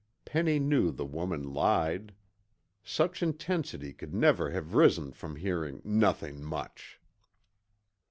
Penny knew the woman lied. Such intensity could never have risen from hearing "nothin' much."